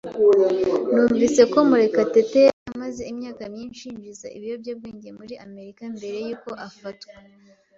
Numvise ko Murekatete yari amaze imyaka myinshi yinjiza ibiyobyabwenge muri Amerika mbere yuko afatwa.